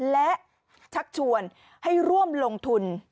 และชักชวนให้ร่วมลงทุน